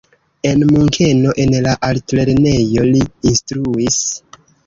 En Munkeno en la altlernejo li instruis.